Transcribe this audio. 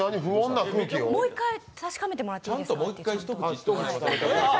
もう一回確かめてもらっていいですか？